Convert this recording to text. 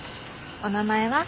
お名前は？